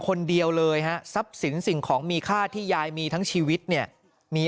คนเดียวเลยฮะทรัพย์สินสิ่งของมีค่าที่ยายมีทั้งชีวิตเนี่ยมี